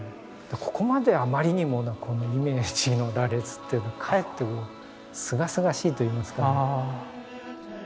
ここまであまりにもイメージの羅列っていうのかえってすがすがしいといいますか。